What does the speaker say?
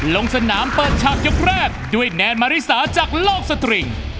ลงสนามเปิดฉากยกแรกด้วยแนนมาริสาจากโลกสตริง